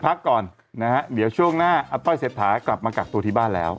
พักก่อนนะฮะเดี๋ยวช่วงหน้าอาต้อยเศรษฐากลับมากักตัวที่บ้านแล้ว